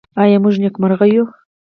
آیا موږ نېکمرغه یو؟